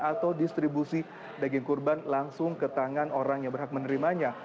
atau distribusi daging kurban langsung ke tangan orang yang berhak menerimanya